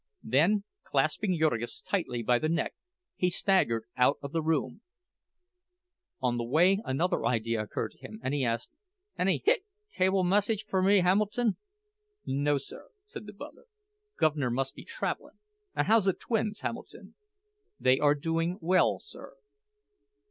Then, clasping Jurgis tightly by the neck, he staggered out of the room; on the way another idea occurred to him, and he asked: "Any—hic—cable message for me, Hamilton?" "No, sir," said the butler. "Guv'ner must be travelin'. An' how's the twins, Hamilton?" "They are doing well, sir."